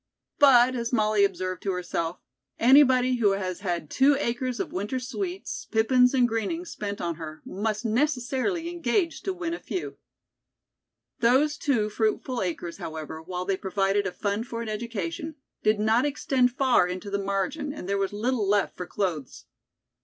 "But," as Molly observed to herself, "anybody who has had two acres of winter sweets, pippins and greenings spent on her, must necessarily engage to win a few." Those two fruitful acres, however, while they provided a fund for an education, did not extend far into the margin and there was little left for clothes.